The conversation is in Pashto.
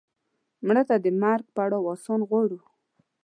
مړه ته د مرګ پړاو آسان غواړو